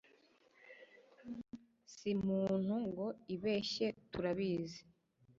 su muntu ngo ibeshye turabizi